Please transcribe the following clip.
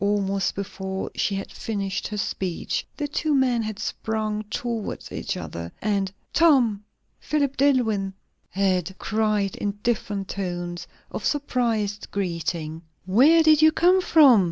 Almost before she had finished her speech the two men had sprung towards each other, and "Tom!" "Philip DilIwyn!" had been cried in different tones of surprised greeting. "Where did you come from?"